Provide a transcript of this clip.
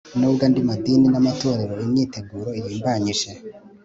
nubwo andi madini n'amatorero imyiteguro irimbanyije